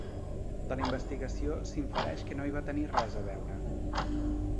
De la investigació s'infereix que no hi va tenir res a veure.